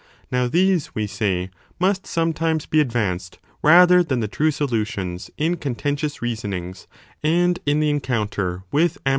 Now these, we say, must sometimes be advanced rather than the true solutions in contentious reasonings and in the encounter with ambi 1 i6o a 23ff.